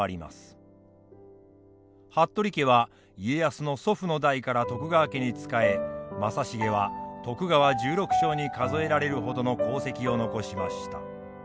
服部家は家康の祖父の代から徳川家に仕え正成は徳川十六将に数えられるほどの功績を残しました。